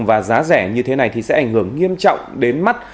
và giá rẻ như thế này thì sẽ ảnh hưởng nghiêm trọng đến mắt